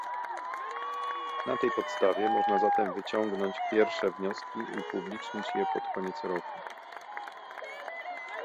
Na tej podstawie można zatem wyciągnąć pierwsze wnioski i upublicznić je pod koniec roku